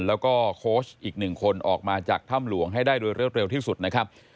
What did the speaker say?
แล้วก็โค้ชอีก๑คนออกมาจากถ้ำหลวงให้ได้โดยเร็วที่สุดนะครับ